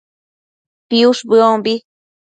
piush bëombi